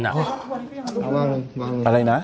อะไรนะ